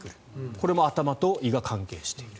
これも頭と胃が関係している。